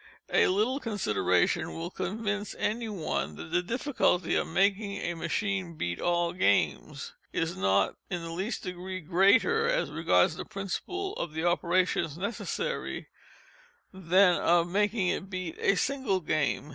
A little consideration will convince any one that the difficulty of making a machine beat all games, Is not in the least degree greater, as regards the principle of the operations necessary, than that of making it beat a single game.